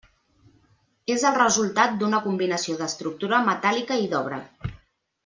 És el resultat d'una combinació d'estructura metàl·lica i d'obra.